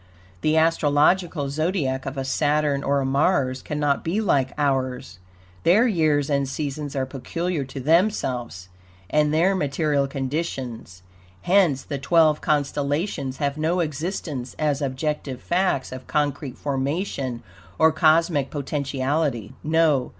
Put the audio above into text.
The astrological Zodiac of a Saturn or a Mars cannot be like ours. Their years and seasons are peculiar to themselves and their material conditions; hence the twelve constellations have no existence as objective facts of concrete formation or cosmic potentiality. No!